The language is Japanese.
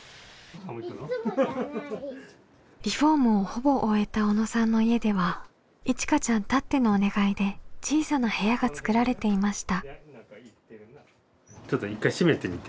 リフォームをほぼ終えた小野さんの家ではいちかちゃんたってのお願いで小さな部屋が作られていました。